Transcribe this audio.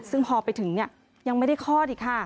ซึ่งพอไปถึงยังไม่ได้คลอดอีกค่ะ